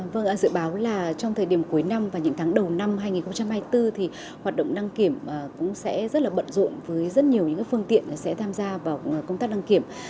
vâng dự báo là trong thời điểm cuối năm và những tháng đầu năm hai nghìn hai mươi bốn thì hoạt động đăng kiểm cũng sẽ rất là bận rộn với rất nhiều những phương tiện sẽ tham gia vào công tác đăng kiểm